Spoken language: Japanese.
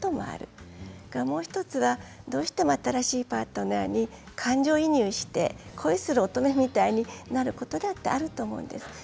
それからもう１つはどうしても新しいパートナーに感情移入して恋する乙女みたいになることもあると思うんです。